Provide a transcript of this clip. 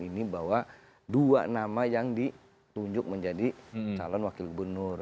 ini bahwa dua nama yang ditunjuk menjadi calon wakil gubernur